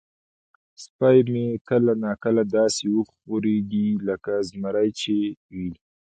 سپی مې کله نا کله داسې وخوریږي لکه زمری چې وي.